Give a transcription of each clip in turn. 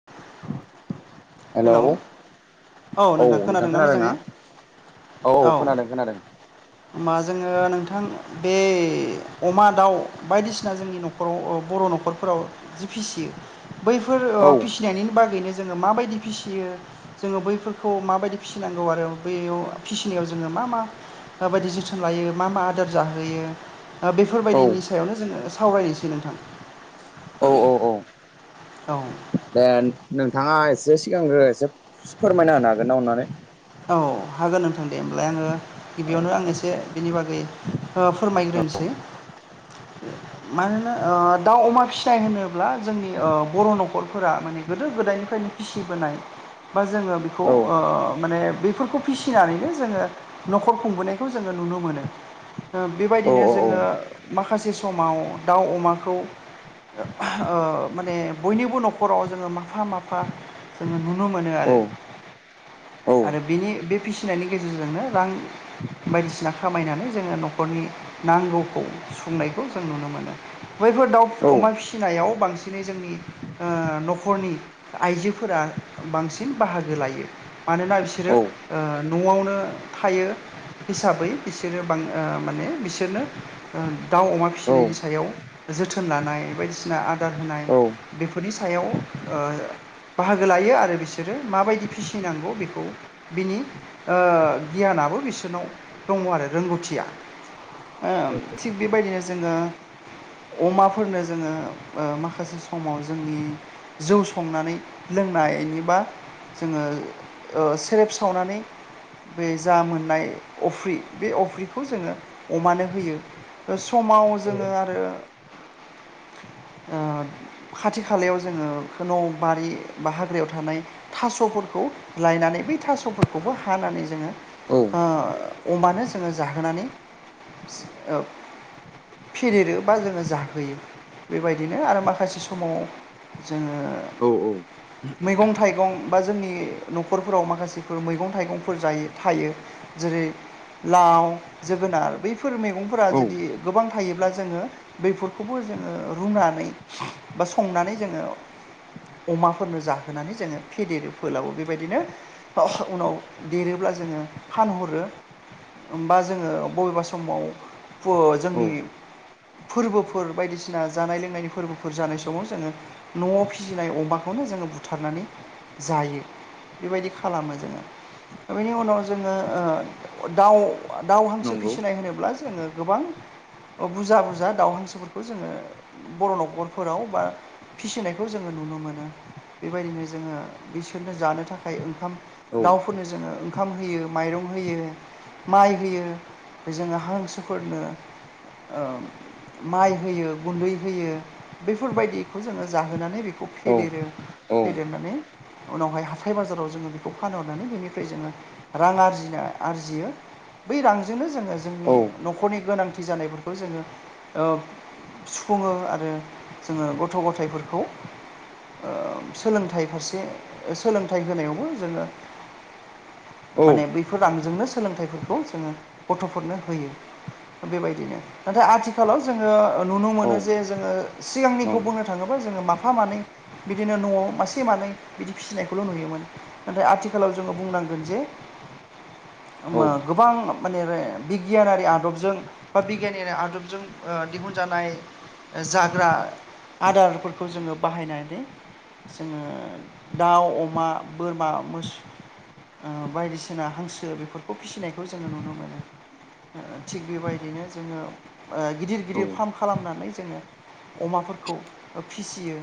[unintelligible] Hello. औ नोंथां खोनादों ना? औ खोनादों खोनादों। होमबा जोङो नोंथां बे अमा दाउ बायदिसिना जोंनि न'खर राव बर' न'खरफोराव जि फिसियो, बैफोर औ ओ फिसिनायनि बागैनो जोङो माबायदि फिसियो जोङो बैफोरखौ माबायदि फिसिनांगौ आरो बैयाव फिसिनायाव जोङो मा मा माबायदि जोथोन लायो? मा मा आदार जाहोयो? औ बेफोरबायदिनि सायावनो जोङो सावरायनोसै नोंथां। औ औ औ औ। दे नोंथाङा एसे सिगांग्रो एसे फोरमायना होनो हागोन ना अनानै? औ हागोन नोंथां दे होमबालाय आङो औ गिबियावनो आं एसे बिनि बागै फोरमायग्रोनसै। मानोना दाउ अमा फिसिनाय होनोब्ला जोंनि बर' न'खरफोरा माने गोदो गोदायनिफ्रायनो फिसिबोनाय, बा जोङो बेखौ औ माने बेफोरखौ फिसिनानैनो जोङो न'खर खुंबोनायखौ जोङो नुनो मोनो। औ बेबायदिनो जोङो औ माखासे समाव दाउ अमाखौ ओ माने बयनिबो न'खराव जोङो माफा माफा जोङो नुनो मोनो औ आरो। औ आरो बेनि बे फिसिनायनि गेजेरजोंनो रां बायदिसिना खामायनानै जोङो न'खरनि नांगौखौ सुफुंनायखौ जों नुनो मोनो। बैफोर दाउ अमा फिसिनायाव बांसिनै जोंनि ओ न'खरनि आइजोफोरा बांसिन बाहागो लायो। मानोना बिसोर बिसोरो न'आवनो थायो हिसाबै बिसोरो बां माने बिसोरनो दाउ अमा फिसिनायनि सायाव जोथोन लानाय बायदिसिना आदार होनाय बेफोरनि सायाव बाहागो लायो आरो बिसोरो माबायदि फिसिनांगौ बेखौ बिनि गियानाबो बिसोरनाव दङ आरो, रोंगौथिया। थिग बेबायदिनो जोङो अमाफोरनो जोङो माखासे समाव जोंनि जौ संनानै लोंनायनिबा, जोङो सेरेब सावनानै बे जा मोननाय अफ्रि, बे अफ्रिखौ जोङो अमानो होयो। समाव जोङो आरो खाथि खालायाव जोङो न' बारि बा हाग्रायाव थानाय थास'फोरखौ लायनानैबो थास'फोरखौबो हानानै जोङो अमानो जोङो जाहोनानै औ। फेदेरो बा जोङो जाहोयो बेबायदिनो आरो माखासे समाव जोङो औ औ मैगं थाइगं बा जोंनि न'खरफोराव माखासे जफोर मैगं थाइगंफोर जायो थायो जेरै लाव जोगोनार बैफोर मैगंफोरा जुदि औ गोबां थायोब्ला जोङो बेफोरखौबो जोङो रुनानै बा संनानै जोङो अमाफोरनो जाहोनानै जोङो फेदेरो फोलाावबो बेबायदिनो उनाव देरोब्ला जोङो फानहरो। बा जोङो बबेबा समाव जोंनि फोरबोफोर बायदिसिना जानाय लोंनायनि फोरबोफोर जानाय समाव जोङो न'आव फिसिनाय अमाखौनो जोङो बुथारनानै जायो। बेबायदि खा खालामो जोङो बेनि उनाव जोङो दाउ दााव हांसो नंगौ फिसिनाय होनोब्ला जोङो गोबां बुरजा बुरजा दाउ हेंसोफोरखौ जोङो बर' न'खरफोराव बा फिसिनायखौ जोङो नुनो मोनो बेबायदिनो जोङो बिसोरनो जानो थाखाय ओंखाम औ दाउफोरनो जोङो ओंखाम होयो माइरं होयो माइ होयो जोङो हांसोफोरनो माइ होयो गुन्दै होयो बेफोरबायदिखौ जोङो जाहोनानै बेखौ औ फेदेरो औ फेदेरनानै उनावहाय हाथाय बाजाराव जोङो खौखौ फानहरनानै बेनिफ्राय जोङो रां आरजिनो आरजियो बै रांजोंनो जोङो जोंनि न'खरनि गोनांथि जानायफोरखौ जोङो सुफुङो आरो जोङो गथ' गथायाइफोरखौ सोलोंथाइ फारसे सोलोंथाइ होनायावबो जोङो औ माने बै फोर रांजोंनो सोलोंथाइफोरखौ जोङो गथ'फोरनो होयो बेबायदिनो नाथाय आथिखालाव जोङो नुनो औ मोनो जे जोङो नंगौ सिगांनिखौ बुंनो थाङोबा जोङो माफा मानै बिदिनो न'आव मासे मानै बिदि फिसिनायखौल' नुयोमोन नाथाय आथिखालाव जोङो बुंनांगोन जे औ ओमो गोबां मानेरे बिगियानारि आदबजों बा बिगियानिनि आदबजों दिहुनजानाय जाग्रा आदारफोरखौ जोङो बाहायनानै जोङो दाउ अमा बोरमा मोस ओ बायदिसिना हांसो बेफोरखौ फिसिनायखौ जोङो नुनो मोनो थिग बेबायदिनो जोङो ओ गिदिर औ गिदिर फार्म खालामनानै जोङो अमाफोरखौ ओ फिसियो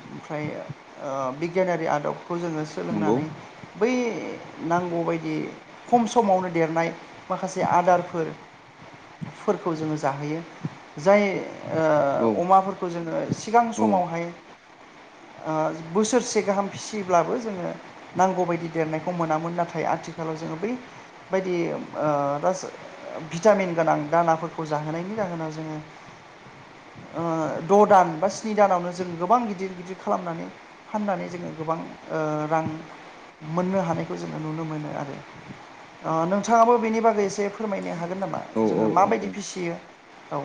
ओमफ्राय ओ बिगियानारि आदबखौ जोङो नंगौ सोलोंनानै बै नांगौबायदि खम समावनो देरनाय माखासे आदारफोर फोरखौ जोङो जाहोयो जाय औ ओ अमाफोरखौ जोङो सिगां औ समावहाय ओ बोसोरसे गाहाम फिसियोब्लाबो जोङो नांगौ बायदि देरनायखौ मोनामोन नाथाय आथिखालाव जोङो बैबायदि [unintelligible] भिटामिन गोनां दानाफोरखौ जाहोनायनि जाहोना जोङो ओ द' दान बा स्नि दानावनो जों गोबां गिदिर गिदिर खालामनानै फाननानै जोङो गोबां ओ रां मोननो हानायखौ जोङो नुनो मोनो आरो अ नोंथाङाबो बेनि बागै एसे फोरमायनो हा गोन नामा औ जोङो औ औ माबायदि औ फिसियो औ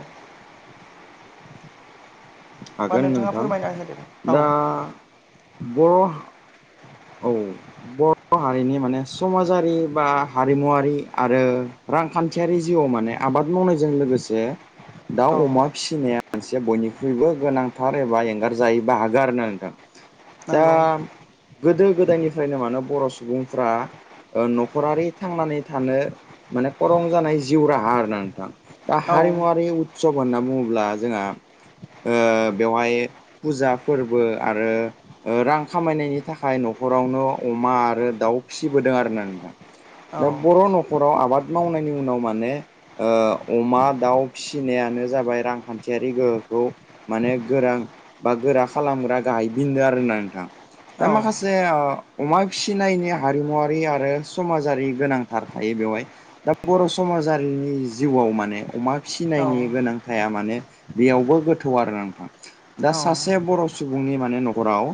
बा हागोन नोंथाङा नोंथां फोरमायना होदो औ दा बर' औ [unintelligible] बर' हारिनि माने समाजारि बा हारिमुवरारि आरो रांखान्थियारि जिउआव माने आबाद मावनायजों लोगोसे औ दाउ, अमा फिसा फिनाया मानसिया बयनिख्रुइबो गोनांथार एबा एंगारजायि बाहागो आरोना नोंथां दा नंगौ गोदो गोदायनिफ्रायनो मानो बर' सुबुंफ्रा न'खरारि थांनानै थानो माने खरं जानाय जिउ राहा आरोना नोंथां दा औ हारिमुवारिव सब होनना बुङोब्ला जोंहा ओ बेवहाय फुजा फोरबो आरो ओ रां खामायनायनि थाखाय न'खरावन' अमा आरो दाउ फिसिबोदों आरो ना नोंथां औ दा बर' न'ख खराव आबाद मावनायनि उनाव माने ओ अमा, दाउ फिसिनायानो जाबाय रांखान्थियारि गोहोखौ माने गोरा बा गोरा खालामग्रा गाहाय बिदों आरोना नोंथां दा औ माखासे जे अमा फिसिनायनि हारिमुवारि आरो समाजारि गोनांथार थायो बेवहाय दा बर' समाजारिनि जिउआव माने अमा औ फिसिनायनि गोनांथाया माने बेयावबो गोथौ आरो नोंथां दा औ सासे बर' सुबुंनि माने न'खराव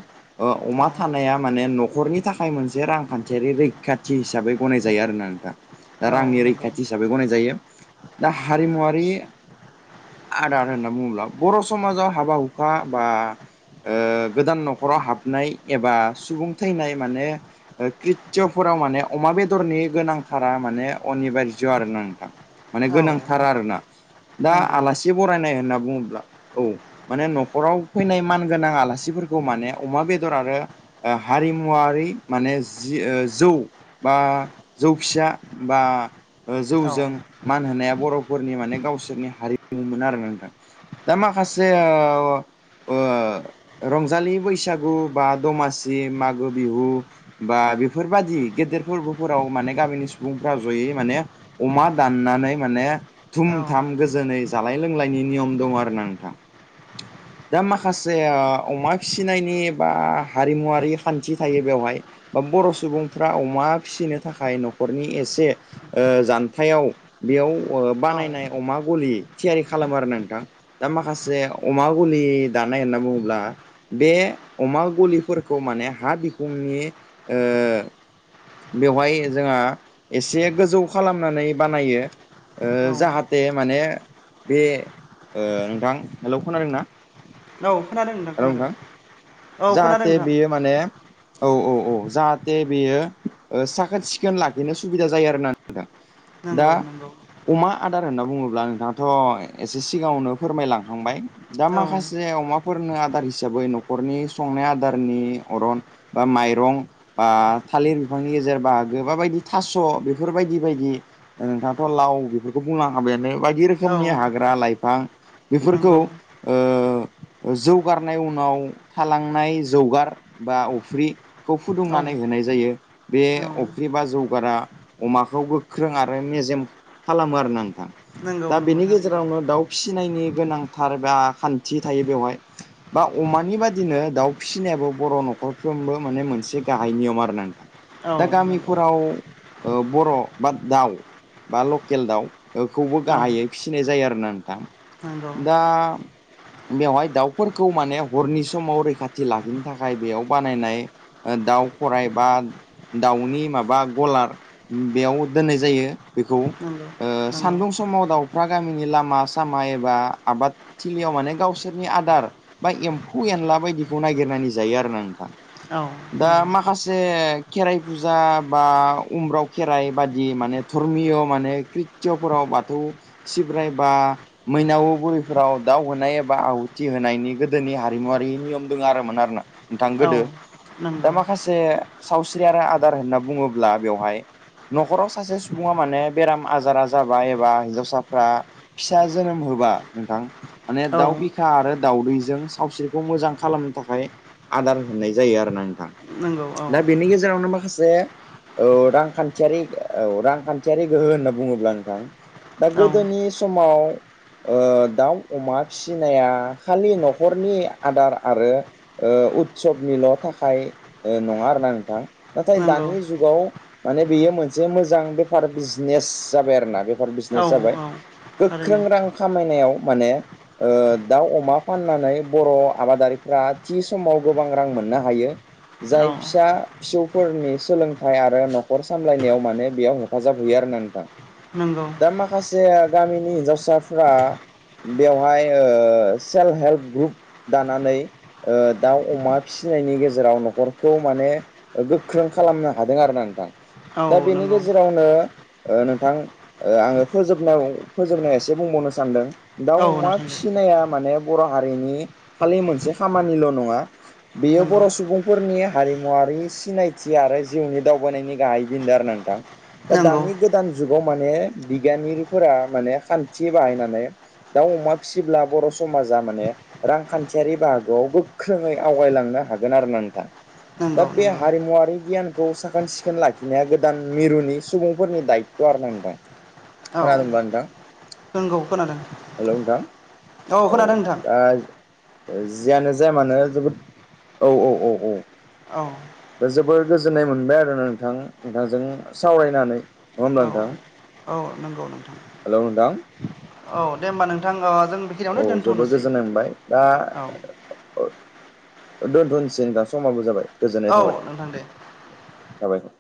औ अमा थानाया माने न'खरनि थाखाय मोनसे रांखान्थियारि रैखाथि हिसाबै गनाय जायो आरोना नोंथां दा औ रांनि नंगौ रैखाथि हिसाबै गनाय जायो दा हारिमुवारि आदार होनना बुङोब्ला बर' समाजाव हाबा हुखा बा ओ गोदान न'खराव हाबनाय एबा सुबुं थैनाय माने कृतयफोराव माने अमा बेदरनि गोनांथारा माने अनिबारज आरो ना नोंथां माने औ गोनांथार आरोना दा नंगौ आलासि बरायनाय होनना बुङोब्ला औ माने न'खराव फैनाय मान गोनां आलासिफोरखौ माने अमा बे दर आरो हारिमुवारि माने जि जौ बा जौ फिसा बा ओ औ जौजों मान होनाया बर'फोरनि माने गावसोरनि हारिमुमोन आरो नोंथां दा माखासे ओ रंजालि बैसागु बा दमासि मोगो बिहु बा बेफोरबादि गेदेर फोरबोफोराव माने गामिनि सुबुंफ्रा जयै माने अमा दाननानै माने थुम औ थाम गोजोनै जालाय लोंलायनायनि नियम दं आरो ना नोंथां दा माखासे अमा फिसिनायनि बा हारिमुवारि खान्थि थायो बेवहाय बा बर' सुबुंफ्रा अमा फिसिनो थाखाय न'खरनि एसे ओ जान्थायाव बेयाव औ बानायनाय अमा गलि थियारि खालामो आरो नोंथां दा माखासे अमा गुलि दानाय होनना बुङोब्ला बे अमा गलिफोरखौ माने हा बिखुंनि ओ बेवहाय जोंहा एसे गोजौ खालामनानै बानायो ओ औ जाहाथे माने बे ओ नोंथां हेल' खोनादों ना औ खोनादों नोंथां हेल नोंथां खोनादों जाहाथे बेयो माने औ औ औ जाहाथे बेयो ओ साखोन-सिखोन लाखिनो सुबिदा जायो आरोना नोंथां नंगौ नंगौ अमा आदार होनना बुङोब्ला नोंथाङाथ' एसे सिगाङावनो फोरमायलांखांबाय दा औ माखासे अमाफोरनो आदार हिसाबै न'खरनि संनाय आदारनि अरन बा माइरं बा थालिर बिफांनि गेजेर बाहागो बायदि बायदि थास' बेफोरबायदि बायदि नोंथाङाथ' लाव बेफोरखौ बुंलां हाबायानो बायदि औ रोखोमनि हाग्रा लाइफां बेफोरखौ नंगौ ओ जौगारनाय उनाव थालांनाय जौगार बा अफ्रि औ फुदुंनानै होनाय जायो बे औ अफ्रि बा जगारा अमाखौ गोख्रों आरो मेजेम खालामो आरो ना नोंथां नंगौ दा नंगौ बेनि थारैनो गेजेरावनो दाउ फिसिनायनि गोनांथार एबा खान्थि थायो बेवहाय बा अमानि बादिनो दाउ फिसिनायाबो बर' न'खरफ्रोमबो माने मोनसे गाहाय नियमा आरो नोंथां औ दा नंगौ गामिफोराव बर' बा दाउ बा लकेल दाउ बेखौबो औ गाहायै फिसिनाय जायो आरो ना नोंथां नंगौ दा बेवहाय दाउ फोरखौ माने हरनि समाव रैखाथि लाखिनो थाखाय बेयाव बानायनाय दाउ फराय बा दाउनि माबा गलार बेयाव दोननाय जायो बेखौ [unintelligible] सान्दुं समाव दाउफ्रा गामिनि लामा सामा एबा आबाद थिलियाव माने गावसोरनि आदार बा एम्फौ एनला बायदिखौ नायगिरनानै जायो आरो ना नोंथां औ दा नंगौ मा माखासे खेराइ फुजा बा उम्राव खेराइ बादि माने धर्मिय माने खाथि'फोराव बाथौ सिब्राय बा मैनाव बुरिफोराव दाउ होनाय एबा आहुथि होनायनि गोदोनि हारिमुवारि नियम दङ आरोमोन आरोना नोंथां औ गोदो दा नंगौ माखासे मोनसे सावस्रि आरो आदार होनना बुङोब्ला बेवहाय न'खराव सासे सुबुङा माने बेराम आजारा जाबा एबा हिन्जावसाफ्रा फिसा जोनोम होबा नोंथां माने औ दाउ बिखा आरो दाउदै जों सावस्रिखौ मोजां खालामनो थाखाय आदार होननाय जायो आरो ना नोंथां नंगौ औ दा बेनि गेजेरावनो माखासे औ रांखान्थियारि औ रांखान्थियारि गोहो होनना बुङोब्ला नोंथां दा औ गोदोनि समाव दाउ अमा फिसिनाया खालि न'खर नखरनि आदार आरो उत्सबनिल' थाखाय नङा आरोना नोंथां नाथाय नंगौ दानि जुगाव माने बेयो मोनसे मोजां बेफार बिजनेस जाबाय आरो ना बे औ ज औ गोख्रों थारैनो रां खामनाय म दामा फ नानै बर' आबादारिफ्रा थि समाव गोबां रां मोननो हायो औ जाय फिसा फिसौफोरनि सोलोंथाइ आरो न'खर सामलायनायाव माने बेयाव हेफाजाब होयो आरो ननानै दा नंगौ दा माखासे गामिनि हिन्जावसाफ्रा बेवहाय सेल्फ हेल्प ग्रुप दानानै दाउ अमा फिसिनायनि गेजेराव न'खरखौ माने गोख्रों खालामनो हादों आरो ना नोंथां औ दा बेनि नंगौ गेजेरावनो नोंथां आङो फोजोबनायाव फोजोबनायाव एसे बुंबावनो सानदों दाउ औ अमा नोंथां फिसिनाया माने बर' हारिनि खालि मोनसे खामानिल' नङा बेयो नंगौ बर' सुबुं फोरफोरनि हारिमुवारि सिनायथि आरो जिउनि दावबायनायनि गाहाय बिदों आरो नोंथां दा नंगौ दानि गोदान जुगाव माने बिगियानगिरिफोरा माने खान्थि बाहायनानै दाउ अमा फिसिब्ला बर' समाज जा माने रांखान्थियारि बाहागोआव गोख्रोङै आवगायलांनो हागोन आरो नोंथां दा नंगौ बे नंगौ हारिमुवारि गियान खौ साखोन सिखोन लाखिनाया गोदान मिरुनि सुबुंफोरनि दायथ' आरो नांदां औ खोनादोनबा नों‌थां नंगौ खोनादों हेलौ नोंथां औ खोनादों नोंथां दा जियानो जाया मानो जोबोद औ औ औ औ औ दा जोबोर गोजोननाय मोनबाय आरो नोंथां नोंथांजों सावरायनानै होमब्ला औ नोंथां औ नंगौ नोंथां हेलौ नोंथां औ दे होनबा नोंथां जों बेखिनियावनो औ जोबद दोनथ'नोसै गोजोननाय मोनबाय दा औ दोनथुनसिन दा समाबाबो जाबाय गोजोननाय औ थाबाय नोंथां दे थाबायर